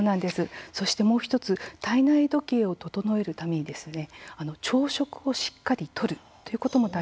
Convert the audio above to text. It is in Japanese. そしてもう１つ体内時計を整えるために朝食をしっかりとるということも大切なんですね。